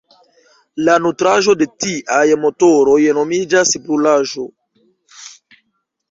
La nutraĵo de tiaj motoroj nomiĝas "brulaĵo".